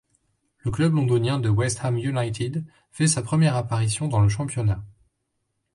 Le club londonien de West Ham United fait sa première apparition dans le championnat.